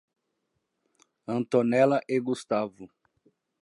Antonella e Gustavo